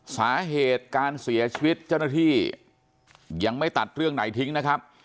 สาเหตุการเสียชีวิตเจ้าหน้าที่ยังไม่ตัดเรื่องไหนทิ้งนะครับ